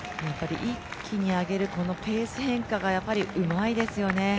一気に上げるペース変化がうまいですよね。